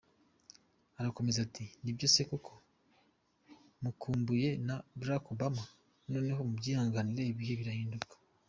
Arakomeza ati "Nibyo se koko? Mukumbuye na Barack Obama noneho? Mubyihanganire, ibihe birahinduka.